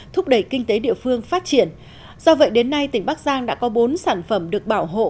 thúc đẩy kinh tế địa phương phát triển do vậy đến nay tỉnh bắc giang đã có bốn sản phẩm được bảo hộ